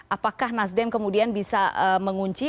apakah nasdem kemudian bisa mengunci